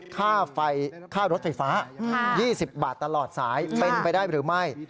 ค่าไฟค่ารถไฟฟ้า๒๐บาทตลอดสายเป็นไปได้หรือไม่